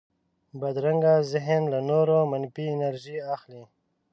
بدرنګه ذهن له نورو منفي انرژي اخلي